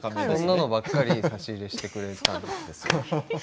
そんなのばかり差し入れてくれたんですよ。